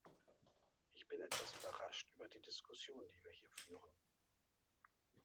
Ich bin etwas überrascht über die Diskussion, die wir hier führen.